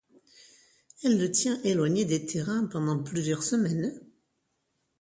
Elle le tient éloigné des terrains pendant plusieurs semaines.